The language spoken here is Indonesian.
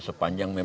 sepanjang tahun ini